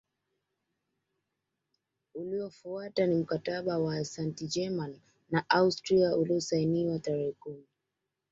Uliofuata ni Mkataba wa Sant Germain na Austria uliosainiwa tarehe kumi